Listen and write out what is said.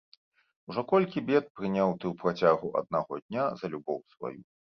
Ужо колькі бед прыняў ты ў працягу аднаго дня за любоў сваю.